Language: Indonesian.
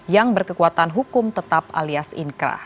yang berkekuatan hukum tetap alias inkrah